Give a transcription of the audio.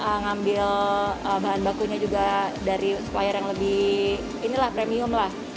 kita juga mengambil bahan bakunya juga dari supplier yang lebih premium lah